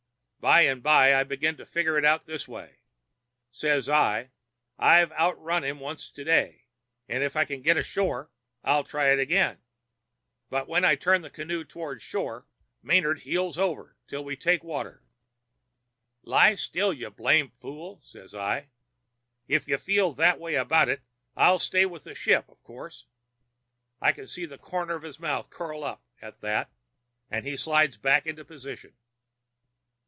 By and by I begin to figure it out this way: says I, 'I've outrun him once to day, and if I can get ashore I'll try it again.' But when I turn the canoe toward shore Manard heels over till we take water. "'Lie still, you blame fool!' says I. 'If you feel that way about it I'll stay with the ship, of course.' I can see the corner of his mouth curl up at that, and he slides back into position.